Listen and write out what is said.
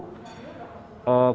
konsumsi makanan yang lebih mudah